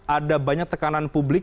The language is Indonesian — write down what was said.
ada banyak tekanan publik